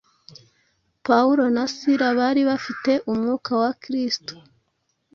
Pawulo na Sira bari bafite umwuka wa Kristo,